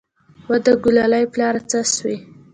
وه د ګلالي پلاره څه سوې.